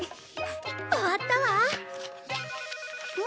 終わったわ！